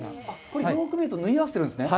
よく見ると縫い合わせてるんですね。